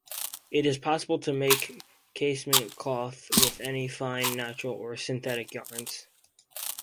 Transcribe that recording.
It is possible to make casement cloth with any fine natural or synthetic yarns.